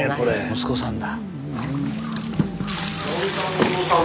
息子さんだ。